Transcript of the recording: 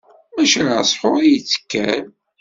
Mačči ɣer ssḥur i d-yettekkar.